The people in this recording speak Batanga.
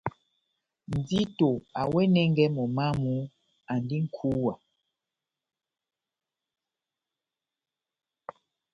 Ndito awɛnɛngɛ momó wamu, andi nʼkúwa.